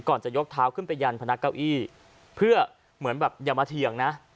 จะยกเท้าขึ้นไปยันพนักเก้าอี้เพื่อเหมือนแบบอย่ามาเถียงนะ